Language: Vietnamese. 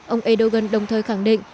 ông erdogan đồng thời khẳng định